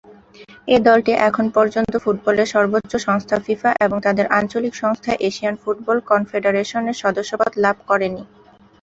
এই দলটি এখন পর্যন্ত ফুটবলের সর্বোচ্চ সংস্থা ফিফা এবং তাদের আঞ্চলিক সংস্থা এশিয়ান ফুটবল কনফেডারেশনের সদস্যপদ লাভ করেনি।